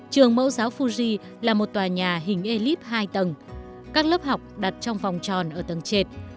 trường mẫu giáo fuji là một tòa nhà hình elif hai tầng các lớp học đặt trong phòng tròn ở tầng trệt